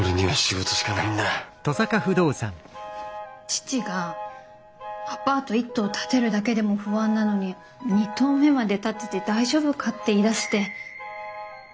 父が「アパート１棟建てるだけでも不安なのに２目棟まで建てて大丈夫か」って言いだして。